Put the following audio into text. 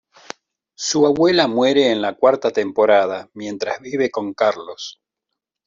Su abuela muere en la cuarta temporada, mientras vive con Carlos